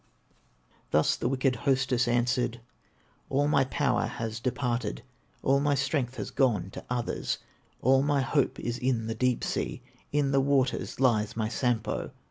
Thus the wicked hostess answered: "All my power has departed, All my strength has gone to others, All my hope is in the deep sea; In the waters lies my Sampo!"